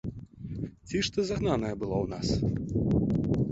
Ці ж ты загнаная была ў нас?